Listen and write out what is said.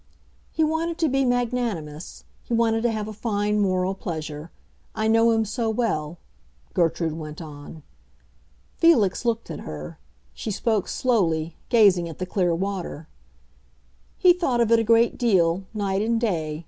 "He wanted to be magnanimous; he wanted to have a fine moral pleasure. I know him so well," Gertrude went on. Felix looked at her; she spoke slowly, gazing at the clear water. "He thought of it a great deal, night and day.